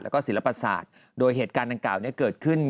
การดู